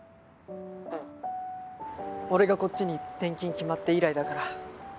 「うん」俺がこっちに転勤決まって以来だから。